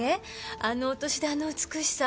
あのお年であの美しさ。